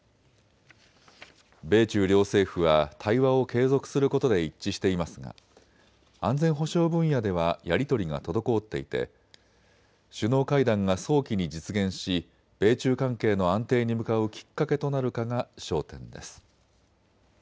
米中両政府は対話を継続することで一致していますが安全保障分野ではやり取りが滞っていて首脳会談が早期に実現し米中関係の安定に向かうきっかけとなるかが焦点です。